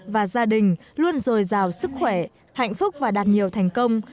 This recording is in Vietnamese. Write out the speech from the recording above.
và gia đình luôn rồi rào sức khỏe hạnh phúc và đạt nhiều thành công